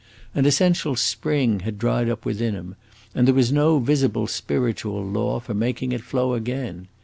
An essential spring had dried up within him, and there was no visible spiritual law for making it flow again.